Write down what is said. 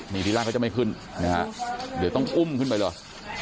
นี่ทีแรกเขาจะไม่ขึ้นนะฮะเดี๋ยวต้องอุ้มขึ้นไปเลย